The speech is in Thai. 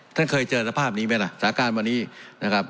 ท่านเคยเจอสภาพนี้ไหมล่ะสาการวันนี้นะครับ